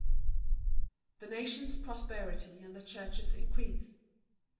The nation's prosperity and the church's increase.